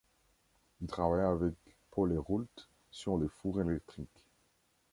Il travailla avec Paul Héroult sur les fours électriques.